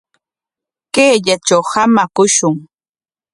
Kayllatraw hamakushun.